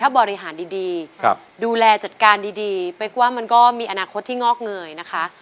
บริหารดีดูแลจัดการดีเป๊กว่ามันก็มีอนาคตที่งอกเงยนะคะ